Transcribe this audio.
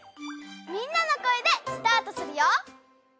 みんなの声でスタートするよ！